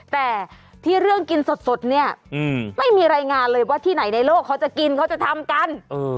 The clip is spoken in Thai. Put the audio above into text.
แต่ที่เรื่องกินสดเนี่ยไม่มีรายงานเลยว่าที่ไหนในโลกเขาจะกินเขาจะทำกัน